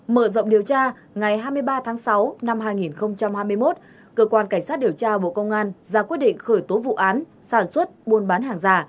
mở rộng điều tra ngày hai mươi ba tháng sáu năm hai nghìn hai mươi một cơ quan cảnh sát điều tra bộ công an ra quyết định khởi tố vụ án sản xuất buôn bán hàng giả